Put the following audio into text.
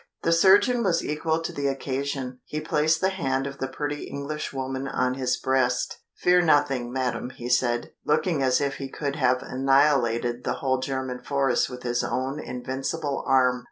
The surgeon was equal to the occasion; he placed the hand of the pretty Englishwoman on his breast. "Fear nothing, madam," he said, looking as if he could have annihilated the whole German force with his own invincible arm.